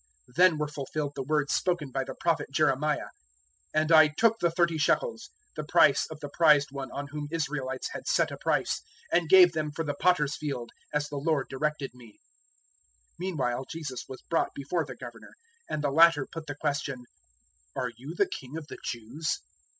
027:009 Then were fulfilled the words spoken by the Prophet Jeremiah, "And I took the thirty shekels, the price of the prized one on whom Israelites had set a price, 027:010 and gave them for the potter's field, as the Lord directed me." 027:011 Meanwhile Jesus was brought before the Governor, and the latter put the question, "Are you the King of the Jews?"